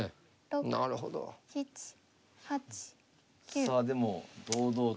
さあでも堂々と。